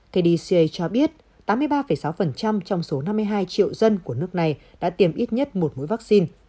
kdca cho biết tám mươi ba sáu trong số năm mươi hai triệu dân của nước này đã tiêm ít nhất một mũi vaccine